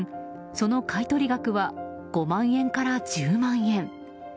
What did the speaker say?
その買い取り額は５万円から１０万円。